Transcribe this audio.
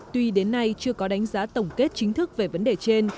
tuy đến nay chưa có đánh giá tổng kết chính thức về vấn đề trên